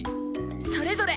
それぞれ！